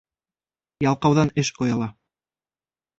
Ялҡауҙан эш ояла.